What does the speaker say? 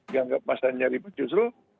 yang nggak masalahnya ribet justru